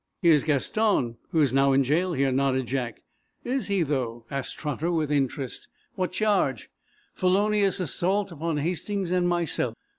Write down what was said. "Here's Gaston, who is now in jail here," nodded Jack. "Is he, though?" asked Trotter, with interest. "What charge?" "Felonious assault upon Hastings and myself."